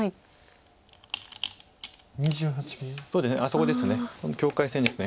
そうですねそこです。